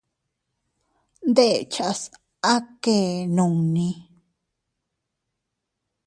Ndechas a kee nunni.